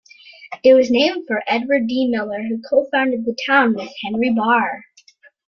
It was named for Edward D. Miller, who co-founded the town with Henry Barr.